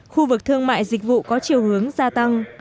khu vực thương mại dịch vụ có chiều hướng gia tăng